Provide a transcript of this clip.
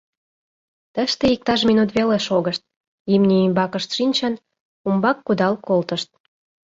Тыште иктаж минут веле шогышт, имне ӱмбакышт шинчын, умбак кудал колтышт.